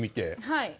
はい。